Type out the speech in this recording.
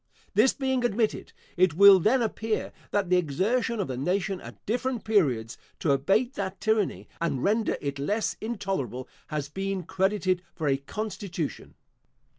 This being admitted, it will then appear, that the exertion of the nation, at different periods, to abate that tyranny, and render it less intolerable, has been credited for a constitution.